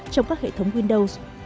trong các hệ thống windows